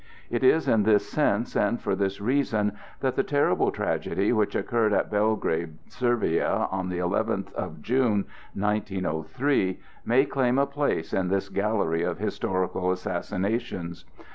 It is in this sense and for this reason that the terrible tragedy which occurred at Belgrade, Servia, on the eleventh of June, 1903, may claim a place in this gallery of historical assassinations.